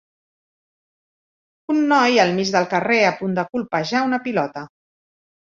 Un noi al mig del carrer a punt de colpejar una pilota.